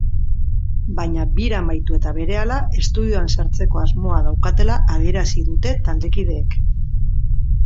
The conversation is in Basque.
Baina bira amaitu eta berehala estudioan sartzeko asmoa daukatela adierazi dute taldekideek.